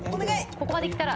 ここまできたら。